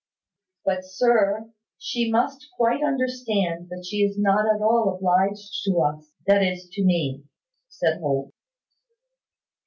"But, sir, she must quite understand that she is not at all obliged to us, that is, to me," said Holt.